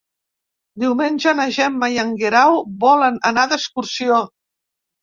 Diumenge na Gemma i en Guerau volen anar d'excursió.